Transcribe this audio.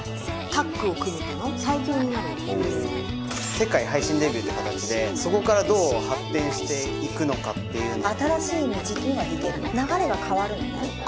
世界配信デビューって形でそこからどう発展していくのかっていうのが。